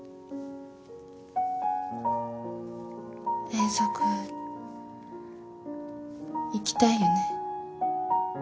遠足行きたいよね？